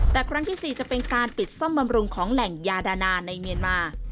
แต่ครั้งที่๔จะเป็นการปิดซ่อมบำรุงของแหล่งยาดานาในเมียนมา